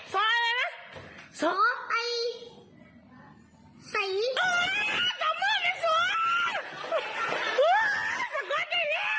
สุสคุณไก๋หลียาก